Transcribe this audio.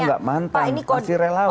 kita gak mantan masih relawan